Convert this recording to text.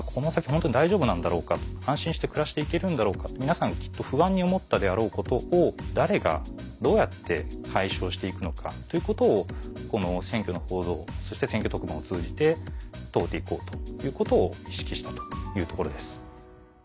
本当に大丈夫なんだろうか安心して暮らして行けるんだろうかって皆さんきっと不安に思ったであろうことを誰がどうやって解消して行くのかということを選挙の報道そして選挙特番を通じて問うて行こうということを意識したというところです。